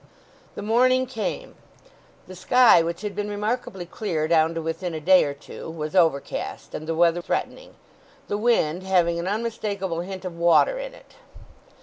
The morning came. The sky, which had been remarkably clear down to within a day or two, was overcast, and the weather threatening, the wind having an unmistakable hint of water in it.